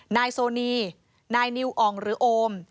นายโซนีนายนิวอ่องหรือโอม